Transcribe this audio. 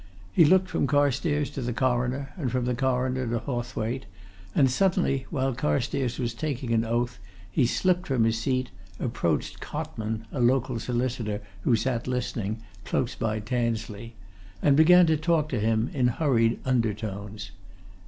He looked from Carstairs to the Coroner, and from the Coroner to Hawthwaite, and suddenly, while Carstairs was taking the oath, he slipped from his seat, approached Cotman, a local solicitor, who sat listening, close by Tansley, and began to talk to him in hurried undertones.